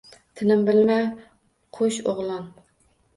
Tinim bilmay qo‘sh o‘g‘lon